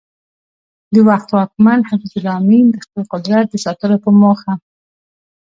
د وخت واکمن حفیظ الله امین د خپل قدرت د ساتلو په موخه